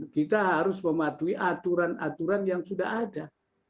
kita harus mematuhi aturan aturan yang sudah ada